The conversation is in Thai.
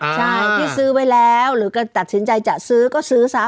ใช่ที่ซื้อไว้แล้วหรือก็ตัดสินใจจะซื้อก็ซื้อซะ